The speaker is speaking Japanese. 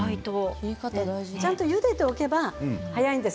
ちゃんとゆでておけば早いです。